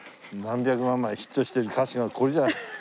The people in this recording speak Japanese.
何百万枚ヒットしてる歌手がこれじゃあ。